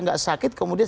ada gak sakit kemudian